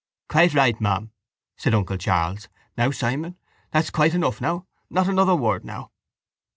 —Quite right, ma'am, said uncle Charles. Now Simon, that's quite enough now. Not another word now.